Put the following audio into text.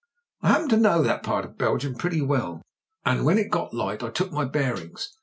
"I happen to know that part of Belgium pretty well, and when it got light I took my bearings.